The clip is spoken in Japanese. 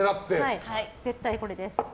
絶対これです。